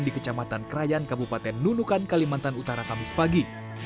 di kecamatan krayan kabupaten nunukan kalimantan utara kamis pagi